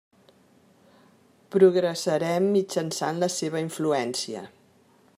Progressarem mitjançant la seva influència.